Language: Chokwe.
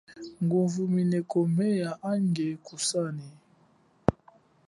Nguvumineko meya hanga ngusane.